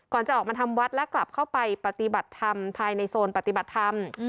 จะออกมาทำวัดและกลับเข้าไปปฏิบัติธรรมภายในโซนปฏิบัติธรรม